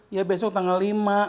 ya besok tanggal lima